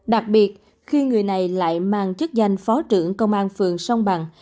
đặc biệt khi người này lại mang chức danh phó trưởng công an phường sông bằng